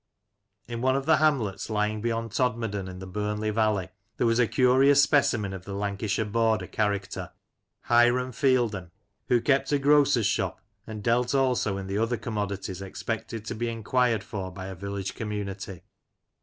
In one of the hamlets lying beyond Todmorden, in the Burnley Valley, there was a curious specimen of the Lanca shire border character, Hiram Fielden, who kept a grocer's shop, and dealt also in the other commodities expected to be enquired for by a village community.